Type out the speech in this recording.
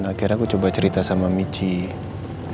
akhirnya aku coba cerita sama michie